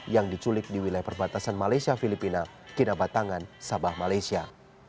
yang diculik di wilayah perbatasan malaysia filipina kinabatangan sabah malaysia